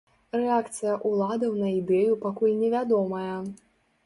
Рэакцыя ўладаў на ідэю пакуль невядомая.